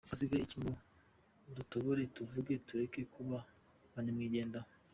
– Hasihaye iki ngo dutobore tuvuge tureke kuba ba nyamwigendaho?